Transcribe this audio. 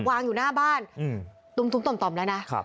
วางอยู่หน้าบ้านอืมตุ๋มตุ๋มต่อมต่อมแล้วนะครับ